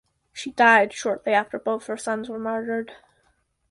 She died shortly after both her sons were martyred.